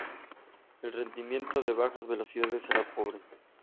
El rendimiento a bajas velocidades era pobre.